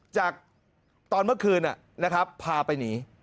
จากตอนเมื่อคืนนะครับพาไปหนี